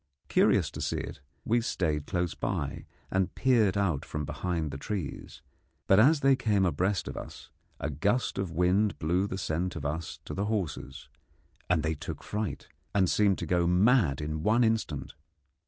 Curious to see it, we stayed close by, and peered out from behind the trees; but as they came abreast of us a gust of wind blew the scent of us to the horses, and they took fright and seemed to go mad in one instant.